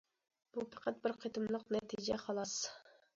بۇ پەقەت بىر قېتىملىق نەتىجە خالاس.